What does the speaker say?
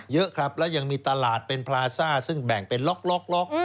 เยอะครับและยังมีตลาดเป็นพลาซ่าซึ่งแบ่งเป็นล็อก